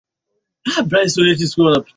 robert alichukuliwa na meli ya carpathia